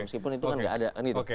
meskipun itu kan gak ada